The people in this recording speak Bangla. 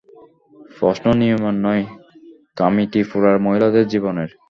প্রশ্ন নিয়মের নয়, কামাঠিপুরার মহিলাদের জীবনের।